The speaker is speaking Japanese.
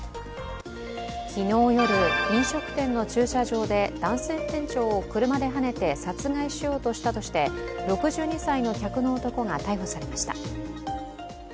昨日夜、飲食店の駐車場で男性店長を車ではねて殺害しようとしたとして６２歳の客の男が逮捕されました。